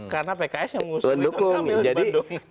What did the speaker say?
karena pks yang mengusung ridwan kamil di bandung